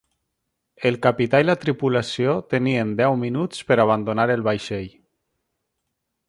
El capità i la tripulació tenien deu minuts per abandonar el vaixell.